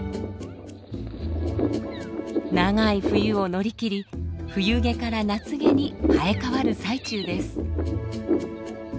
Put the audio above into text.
長い冬を乗り切り冬毛から夏毛に生え変わる最中です。